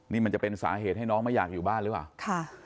นี่มันจะเป็นสาเหตุให้น้องไม่อยากอยู่บ้านหรือเปล่าค่ะ